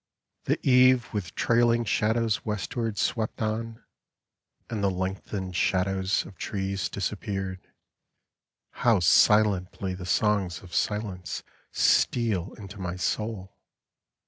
The eve with trailing shadows westward Swept on, and the lengthened shadows of trees Disappeared : how silently the songs of silence Steal into my soul